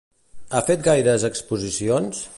Ha fet gaires exposicions?